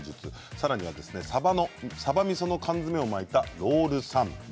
さらには、さばみその缶詰を巻いたロールサンド。